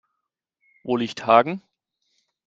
Wo liegt Hagen?